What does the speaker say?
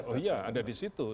oh iya ada di situ